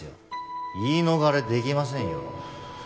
言い逃れできませんよ